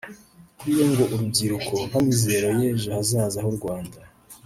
Kuri we ngo urubyiruko nk’amizero y’ejo hazaza h’u Rwanda